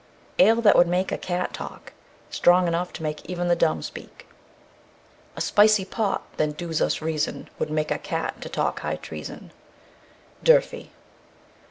Ale that would make a cat talk. Strong enough to make even the dumb speak. "A spicy pot, Then do's us reason, Would make a cat To talk high treason." D'URFEY.